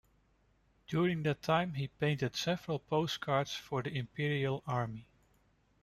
During that time he painted several postcards for the imperial army.